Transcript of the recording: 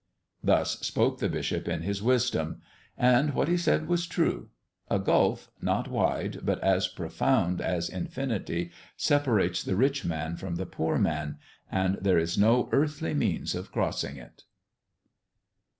Thus spoke the bishop in his wisdom; and what he said was true. A gulf, not wide but as profound as infinity, separates the rich man from the poor man, and there is no earthly means of crossing it.